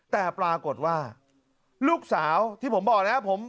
แต่ปรากฏว่าลูกสาวที่ผมบอกนะครับ